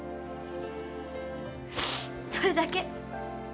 それだけ。